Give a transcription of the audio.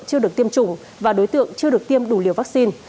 công trùng và đối tượng chưa được tiêm đủ liều vaccine